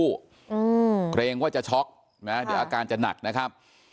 อืมเกรงว่าจะช็อกนะเดี๋ยวอาการจะหนักนะครับ